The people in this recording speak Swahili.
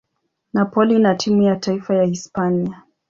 Napoli na timu ya taifa ya Hispania.